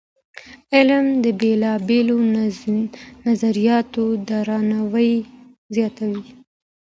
علم د بېلابېلو نظریاتو درناوی زیاتوي.